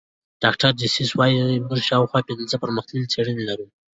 ډاکټر ډسیس وايي موږ شاوخوا پنځه پرمختللې څېړنې لرو.